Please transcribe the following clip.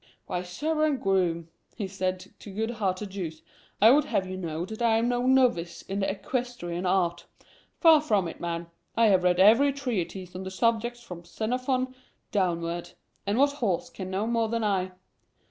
"Why, sirrah groom," he said to good hearted Jous, "I would have you know that I am no novice in the equestrian art. Far from it, man. I have read every treatise on the subject from Xenophon downward; and what horse can know more than I?"